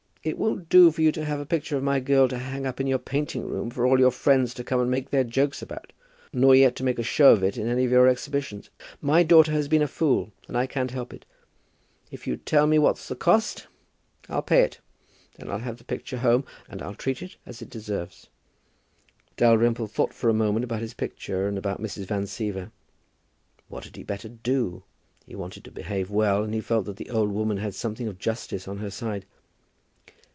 It won't do for you to have a picture of my girl to hang up in your painting room for all your friends to come and make their jokes about, nor yet to make a show of it in any of your exhibitions. My daughter has been a fool, and I can't help it. If you'll tell me what's the cost, I'll pay you; then I'll have the picture home, and I'll treat it as it deserves." Dalrymple thought for a moment about his picture and about Mrs. Van Siever. What had he better do? He wanted to behave well, and he felt that the old woman had something of justice on her side.